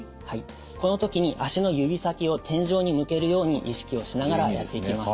この時に足の指先を天井に向けるように意識をしながらやっていきます。